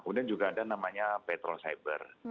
kemudian juga ada namanya patroli siber